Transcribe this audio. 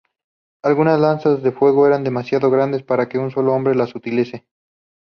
Algunas lanzas de fuego eran demasiado grandes para que un solo hombre las utilice.